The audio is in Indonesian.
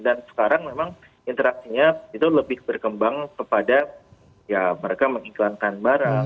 dan sekarang memang interaksinya itu lebih berkembang kepada ya mereka mengiklankan barang